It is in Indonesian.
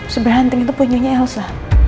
sebenarnya itu punya elsa